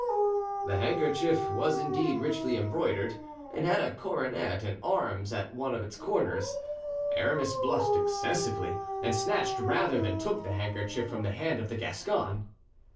The handkerchief was indeed richly embroidered, and had a coronet and arms at one of its corners. Aramis blushed excessively, and snatched rather than took the handkerchief from the hand of the Gascon.